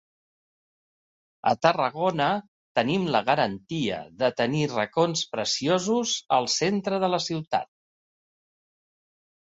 A Tarragona tenim la garantia de tenir racons preciosos al centre de la ciutat.